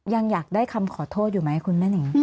อยากได้คำขอโทษอยู่ไหมคุณแม่นิง